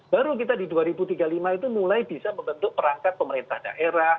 baru kita di dua ribu tiga puluh lima itu mulai bisa membentuk perangkat pemerintah daerah